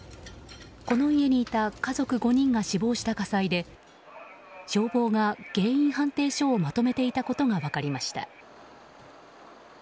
この家にいた家族５人が死亡した火災で消防が原因判定書をまとめていたことが分かりました。